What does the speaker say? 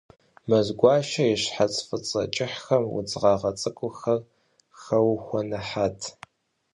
Мэзгуащэ и щхьэц фӏыцӏэ кӏыхьым удз гъэгъа цӏыкӏухэр хэухуэныхьат.